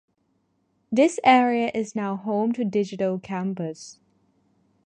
This area is now home to the Digital Campus.